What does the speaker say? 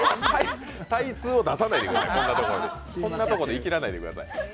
タイ通を出さないでください。